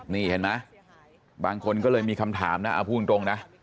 นี่เห็นไหมบางคนก็เลยมีคำถามนะเอาพูดตรงนะ